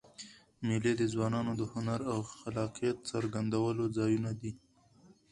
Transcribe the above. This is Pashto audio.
مېلې د ځوانانو د هنر او خلاقیت څرګندولو ځایونه دي.